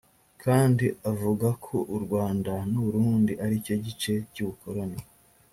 kand avuga ko u rwanda n u burundi ari cyo gice cy ubukoroni